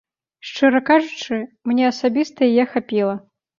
Шчыра кажучы, мне асабіста яе хапіла.